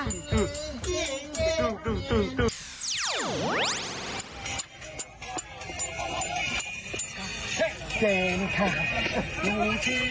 เห้ยยยนี่แหละกูสู้ชิบเลย